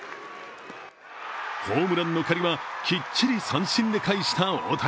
ホームランの借りはきっちり三振で返した大谷。